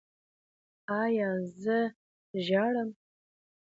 ایا زه ژاړم؟